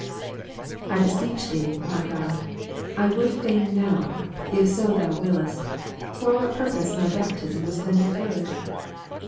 I beseech Thee, my God, I would fain know, if so Thou wiliest, for what purpose my baptism was then defer red